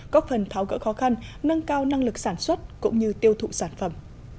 góp phần tháo gỡ khó khăn nâng cao năng lực sản xuất cũng như tiêu thụ sản phẩm